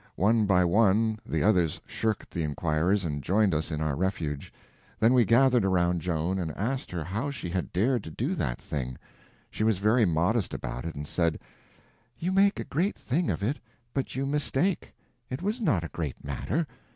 One by one the others shirked the inquirers and joined us in our refuge. Then we gathered around Joan, and asked her how she had dared to do that thing. She was very modest about it, and said: "You make a great thing of it, but you mistake; it was not a great matter.